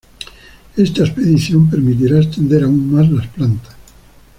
Esta expedición permitirá extender aún más las plantas.